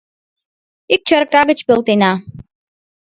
Ик чарка гыч пелтена.